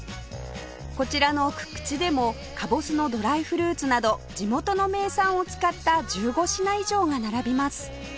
こちらの鞠智でもかぼすのドライフルーツなど地元の名産を使った１５品以上が並びます